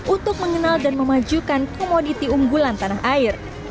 untuk mengenal dan memajukan komoditi unggulan tanah air